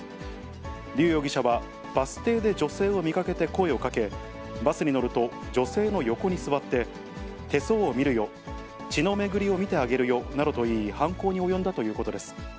劉容疑者は、バス停で女性を見かけて声をかけ、バスに乗ると女性の横に座って、手相を見るよ、血の巡りを見てあげるよなどと言い、犯行に及んだということです。